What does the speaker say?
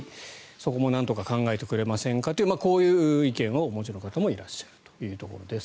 そこも、なんとか考えてくれませんかというこういう意見をお持ちの方もいらっしゃるというところです。